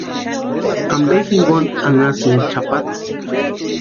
¿Ampe jinkoni anhasïnki chʼapata?